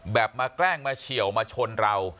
มาแกล้งมาเฉียวมาชนเรา